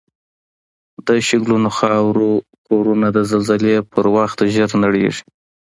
د شګلنو خاورو کورنه د زلزلې په وخت زر نړیږي